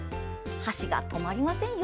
箸が止まりませんよ！